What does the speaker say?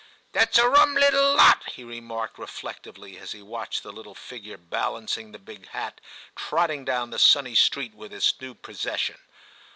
* That's a rum little lot,' he remarked re flectively, as he watched the little figure balancing the big hat trotting down the sunny street with its new possession.